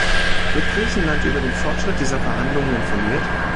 Wird Griechenland über den Fortschritt dieser Verhandlungen informiert?